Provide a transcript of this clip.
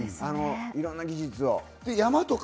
いろんな技術を。